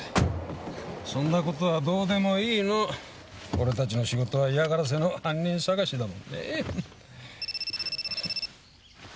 そんなことはどうでもいいの俺たちの仕事は嫌がらせの犯人捜しだもんね・